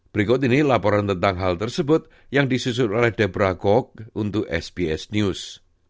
berikut ini laporan tentang hal tersebut yang disusun oleh debra gok untuk sbs news